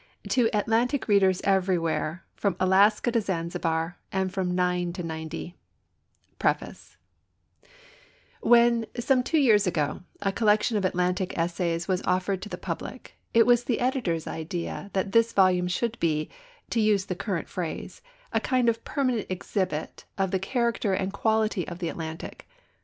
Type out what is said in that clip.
TO ATLANTIC READERS EVERYWHERE FROM ALASKA TO ZANZIBAR AND FROM NINE TO NINETY Preface When, some two years ago a collection of Atlantic essays was offered to the public, it was the editor's idea that this volume should be, to use the current phrase, a kind of permanent exhibit of the character and quality of The Atlantic.